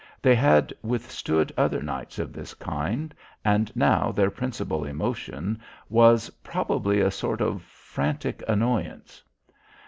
They had withstood other nights of this kind, and now their principal emotion was probably a sort of frantic annoyance.